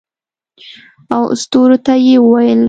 او ستورو ته یې وویل